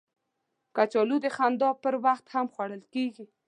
کچالو د خندا پر وخت هم خوړل کېږي